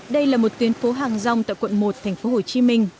đây là một tuyến phố hàng rong tại quận một tp hcm